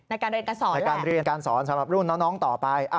ในการเรียนกันสอนสำหรับรุ่นน้องต่อไป